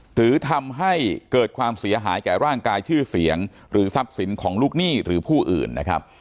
หรือทำให้เกิดความเสียหายแก่ร่างกายชื่อเสียงหรือทรัพย์สินของลูกหนี้หรือผู้อื่นนะครับ